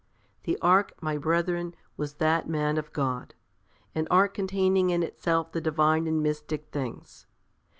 The ark, my brethren, was that man of God; an ark containing in itself the Divine and mystic things.